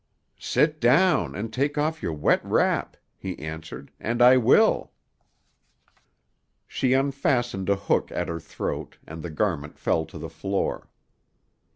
"Sit down, and take off your wet wrap," he answered, "and I will." She unfastened a hook at her throat, and the garment fell to the floor.